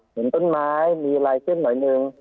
เห็นต้นไม้มีลายเส้นหน่อยหนึ่ง